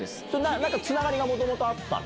なんか、つながりがもともとあったの？